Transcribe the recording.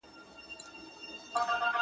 يوه زاړه، يوه تک تور، يوه غریب ربابي!.